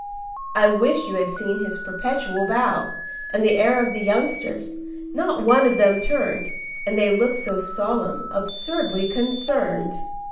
"I wish you had seen his perpetual bow And the air of the youngsters! Not one of them turned, And they looked so solemn absurdly concerned."